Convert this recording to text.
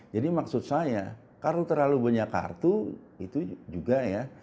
jadi maksud saya kalau terlalu banyak kartu itu juga ya